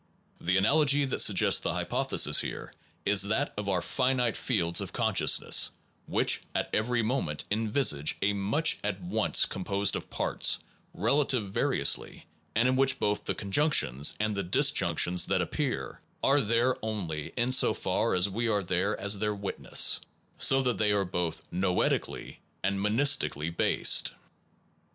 The analogy that suggests the hypothe sis here is that of our own finite fields of con sciousness, which at every moment envisage a much at once composed of parts related va riously, and in which both the conjunctions and the disjunctions that appear are there only in so far as we are there as their witnesses, so that they are both noetically and monisti cally based.